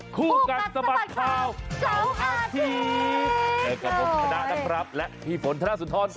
คู่กันสะบัดข่าวเก๋าอาทิตย์